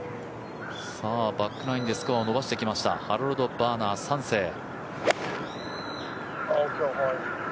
バックナインでスコアを伸ばしてきましたハロルド・バーナー３世。